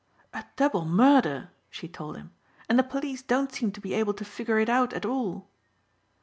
"A double murder," she told him, "and the police don't seem to be able to figure it out at all."